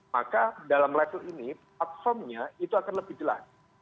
maka dalam level ini platformnya itu akan lebih jelas